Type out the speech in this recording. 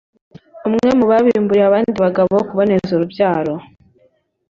umwe mu babimburiye abandi bagabo kuboneza urubyaro